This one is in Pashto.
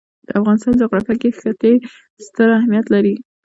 د افغانستان جغرافیه کې ښتې ستر اهمیت لري.